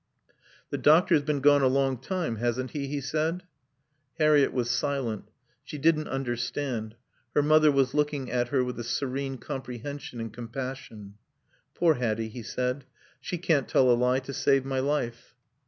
"The doctor's been gone a long time, hasn't he?" he said. Harriett was silent. She didn't understand. Her mother was looking at her with a serene comprehension and compassion. "Poor Hatty," he said, "she can't tell a lie to save my life."